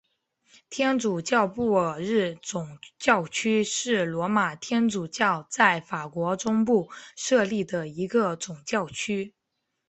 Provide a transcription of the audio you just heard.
天主教布尔日总教区是罗马天主教在法国中部设立的一个总教区。